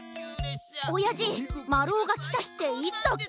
おやじまるおがきたひっていつだっけ？